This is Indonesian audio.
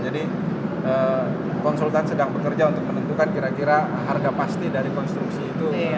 jadi konsultan sedang bekerja untuk menentukan kira kira harga pasti dari konstruksi itu